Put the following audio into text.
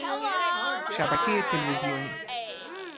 شبکهی تلویزیونی